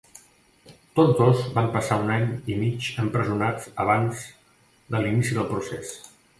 Tots dos van passar un any i mig empresonats abans de l'inici del procés.